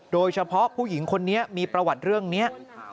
โดยเฉพาะผู้หญิงคนนี้มีประวัติเรื่องนี้